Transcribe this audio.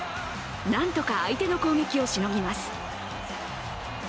なんとか相手の攻撃をしのぎます。